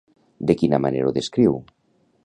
De quina manera ho descriu?